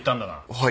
はい。